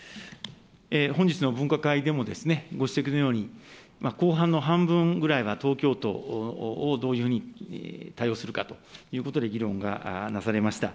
本日の分科会でも、ご指摘のように、後半の半分ぐらいは東京都をどういうふうに対応するかということで議論がなされました。